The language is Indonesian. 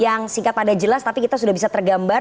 yang singkat pada jelas tapi kita sudah bisa tergambar